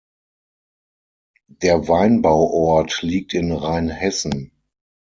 Der Weinbauort liegt in Rheinhessen.